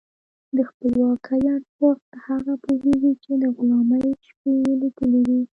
د خپلواکۍ ارزښت هغه پوهېږي چې د غلامۍ شپې یې لیدلي وي.